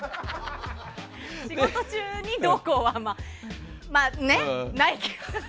仕事中に、どうこうはないけど。